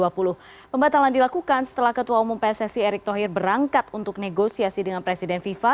pembatalan dilakukan setelah ketua umum pssi erick thohir berangkat untuk negosiasi dengan presiden fifa